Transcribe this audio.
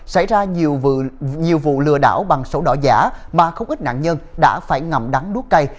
xảy ra nhiều vụ lừa đảo bằng sổ đỏ giả mà không ít nạn nhân đã phải ngầm đắn đuốc cây